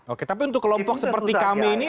oke tapi untuk kelompok seperti kami ini